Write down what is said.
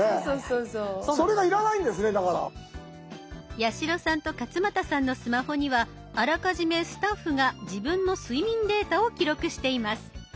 八代さんと勝俣さんのスマホにはあらかじめスタッフが自分の睡眠データを記録しています。